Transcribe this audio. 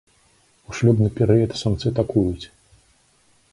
У шлюбны перыяд самцы такуюць.